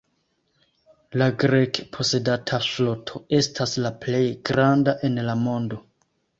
La Grek-posedata floto estas la plej granda en la mondo.